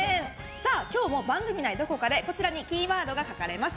今日も番組内どこかでこちらにキーワードが書かれます。